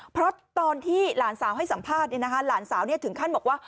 เพราะตอนที่หลานสาวให้สัมภาษณ์เนี่ยนะคะหลานสาวเนี่ยถึงขั้นบอกว่า